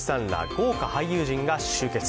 豪華俳優陣が集結。